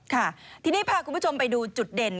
ค่ะทีนี้พาคุณผู้ชมไปดูจุดเด่น